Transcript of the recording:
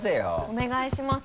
お願いします。